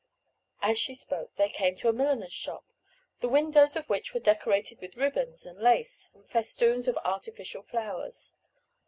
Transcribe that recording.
As she spoke they came to a milliner's shop, the windows of which were decorated with ribbons and lace, and festoons of artificial flowers.